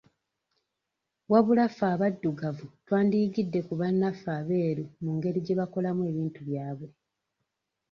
Wabula ffe abaddugavu twandiyigidde ku bannaffe abeeru mu ngeri gye bakolamu ebintu byabwe.